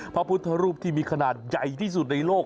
พระพุทธรูปที่มีขนาดใหญ่ที่สุดในโลก